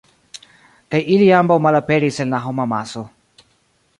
Kaj ili ambaŭ malaperis en la homamaso.